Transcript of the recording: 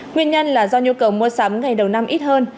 nguyên nhân là do nhu cầu mua sắm ngày đầu năm ít hơn